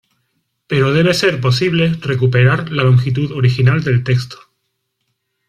Pero debe ser posible recuperar la longitud original del texto.